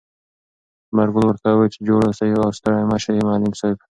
ثمر ګل ورته وویل چې جوړ اوسې او ستړی مه شې معلم صاحب.